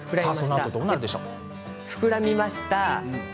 膨らみました。